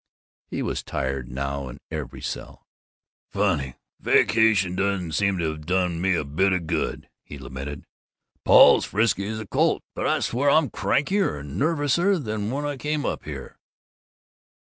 He was tired now in every cell. "Funny! Vacation doesn't seem to have done me a bit of good," he lamented. "Paul's frisky as a colt, but I swear, I'm crankier and nervouser than when I came up here."